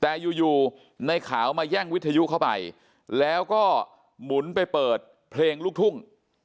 แต่อยู่อยู่ในขาวมาแย่งวิทยุเข้าไปแล้วก็หมุนไปเปิดเพลงลูกทุ่ง